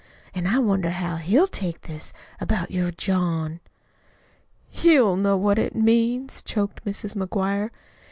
"An' I wonder how he'll take this about your John?" "HE'LL know what it means," choked Mrs. McGuire.